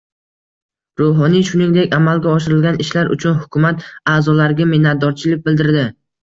Ruhoniy, shuningdek, amalga oshirilgan ishlar uchun hukumat a’zolariga minnatdorchilik bildirdi